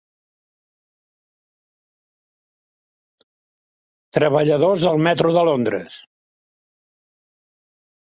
Treballadors al metro de Londres.